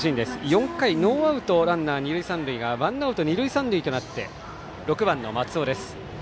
４回ノーアウトランナー、二塁三塁がワンアウト、二塁三塁となって６番の松尾です。